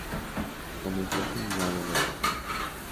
Comenzó el seminario a los doce años.